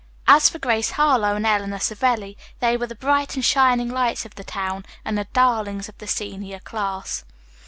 As for Grace Harlowe and Eleanor Savelli, they were the bright and shining lights of the town and the darlings of the senior class.